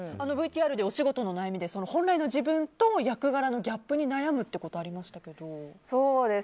ＶＴＲでお仕事の悩みで本来の自分と役柄のギャップに悩むということがありましたけど。